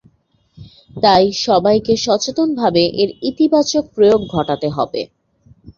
তাই সবাইকে সচেতনভাবে এর ইতিবাচক প্রয়োগ ঘটাতে হবে।